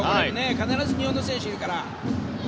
必ず日本の選手がいるから。